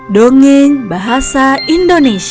dongeng bahasa indonesia